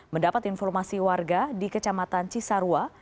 mendapat informasi warga di kecamatan cisarua